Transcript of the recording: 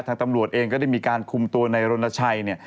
ทางตำรวจเองก็ได้มีการคุมตัวในรณชัยเนี่ย